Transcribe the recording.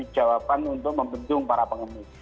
jawaban untuk membentuk para pengenik